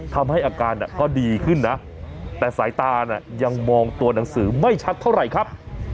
ทำให้อาการก็ดีขึ้นนะแต่สายตายังมองตัวหนังสือไม่ชัดเท่าไหร่ครับ